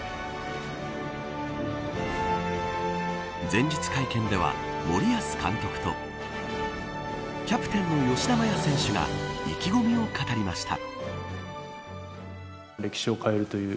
前日会見では森保監督とキャプテンの吉田麻也選手が意気込みを語りました。